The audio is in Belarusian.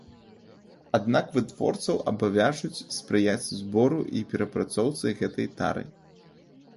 Аднак вытворцаў абавяжуць спрыяць збору і перапрацоўцы гэтай тары.